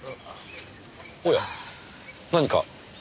おや何か？